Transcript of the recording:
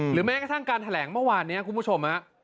แม้กระทั่งการแถลงเมื่อวานนี้คุณผู้ชม